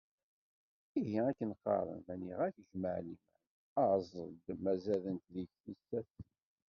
Ihi, akken qqaren: "Ma nniɣ-ak jmaɛliman, aẓ-d ma zadent deg-k tissas".